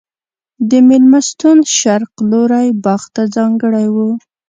د مېلمستون شرق لوری باغ ته ځانګړی و.